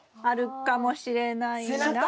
あるかもしれないな。